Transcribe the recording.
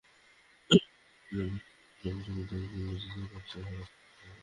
পবিত্র রমজান মাস শুরুর সঙ্গে সঙ্গেই যানজটে বিপর্যস্ত হয়ে পড়েছে ঢাকা-টাঙ্গাইল মহাসড়ক।